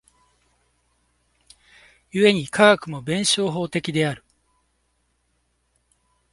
故に科学も弁証法的である。